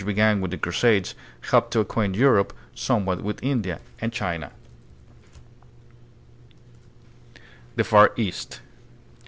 began with the Crusades helped to acquaint Europe some what with India and China. The Far East.